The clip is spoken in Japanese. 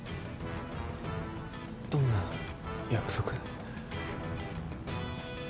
どんな約束？